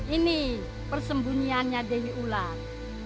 ini persembunyiannya dehi ulan